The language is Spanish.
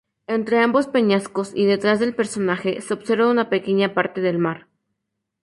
Entre ambos peñascos y detrás del personaje, se observa una pequeña parte del mar.